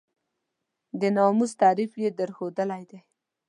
د ناموس تعریف یې درښودلی دی.